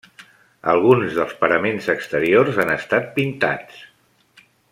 Alguns dels paraments exteriors han estat pintats.